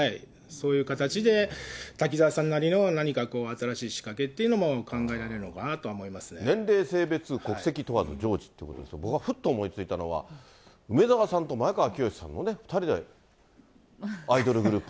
そういう形で滝沢さんなりの何か新しい仕掛けというのも、年齢、性別、国籍問わず、常時っていうことですから、僕はふっと思いついたのは、梅沢さんと前川清さんのね、２人でアイドルグループ。